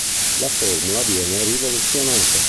La formula viene rivoluzionata.